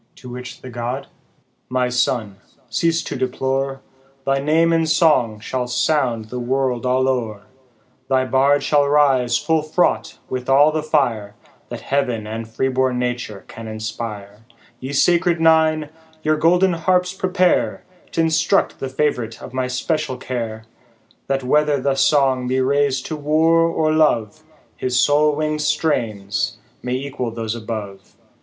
" To which the god " My son, cease to deplore, Thy name in song shall sound the world all o'er ; Thy bard shall rise full fraught with all the fire, That heav'n and free born nature can inspire : Ye sacred Nine, your golden harps prepare, T' instruct the fav'rite of my special care, That whether the song be rais'd to war or love, His soul wing'd strains may equal those above.